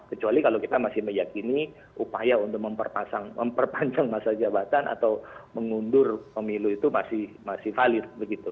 kecuali kalau kita masih meyakini upaya untuk memperpanjang masa jabatan atau mengundur pemilu itu masih valid begitu